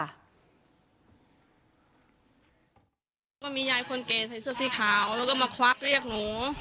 แล้วก็มียายคนแก่ใส่เสื้อสีขาวแล้วก็มาควักเรียกหนู